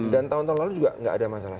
dan tahun tahun lalu juga tidak ada masalah